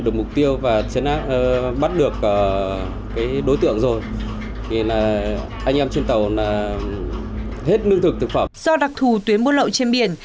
do đặc thù tuyến bút lậu trên biển